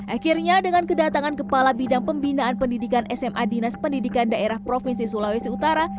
akhirnya dengan kedatangan kepala bidang pembinaan pendidikan sma dinas pendidikan daerah provinsi sulawesi utara